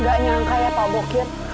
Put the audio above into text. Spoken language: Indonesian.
gak nyangka ya pak bukit